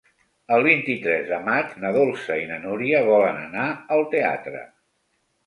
El vint-i-tres de maig na Dolça i na Núria volen anar al teatre.